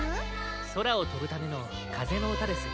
そらをとぶためのかぜのうたです。